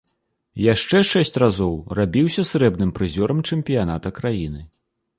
Яшчэ шэсць разоў рабіўся срэбным прызёрам чэмпіяната краіны.